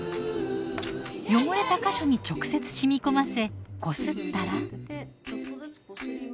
汚れた箇所に直接染み込ませこすったら。